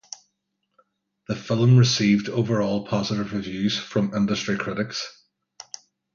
The film received overall positive reviews from industry critics.